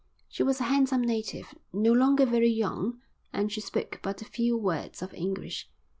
She was a handsome native, no longer very young, and she spoke but a few words of English.